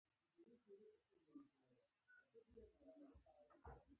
له هغې سره ډېر توپیر لري چې پرانیستي بنسټونه رامنځته کوي